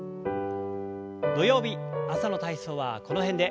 土曜日朝の体操はこの辺で。